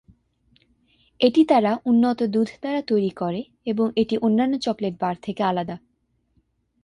এটি তারা উন্নত দুধ দ্বারা তৈরি করে এবং এটি অন্যান্য চকলেট বার থেকে আলাদা।